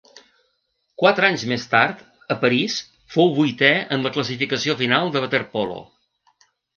Quatre anys més tard, a París, fou vuitè en la classificació final de waterpolo.